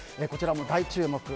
こちらも大注目。